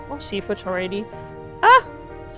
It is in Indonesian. oh makanan laut sudah siap